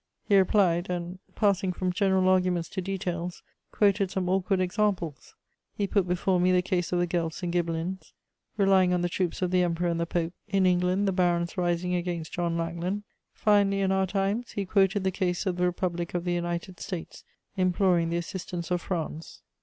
He replied and, passing from general arguments to details, quoted some awkward examples. He put before me the case of the Guelphs and Ghibhelinnes, relying on the troops of the Emperor and the Pope; in England, the barons rising against John Lackland. Finally, in our times, he quoted the case of the Republic of the United States imploring the assistance of France.